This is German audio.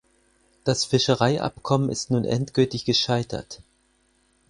Das Fischereiabkommen ist nun endgültig gescheitert.